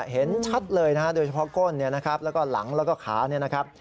เห็นชัดเลยนะฮะโดยเฉพาะก้นแล้วก็หลังแล้วก็ขา